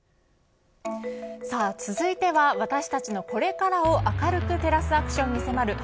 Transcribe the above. さあ続いては私たちのこれからを明るく照らすアクションに迫る＃